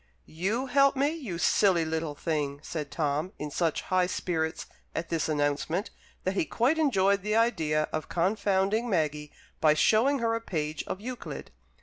"You help me, you silly little thing!" said Tom, in such high spirits at this announcement that he quite enjoyed the idea of confounding Maggie by showing her a page of Euclid.